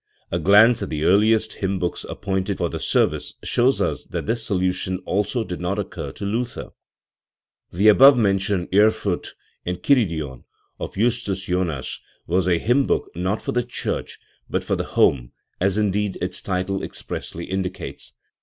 A glance at the earliest hymn books appointed for the service shows us that this solution also did not occur to Luther, The above mentioned* Erfurt Enchiridion of Justus Jonas was a hymn book not for the church but for the home, as, indeed, its title expressly indicates.